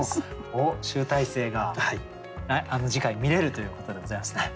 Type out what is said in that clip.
おっ集大成が次回見れるということでございますね。